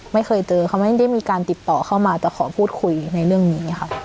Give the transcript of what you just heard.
ไม่เคยเจอเขาไม่ได้มีการติดต่อเข้ามาแต่ขอพูดคุยในเรื่องนี้ค่ะ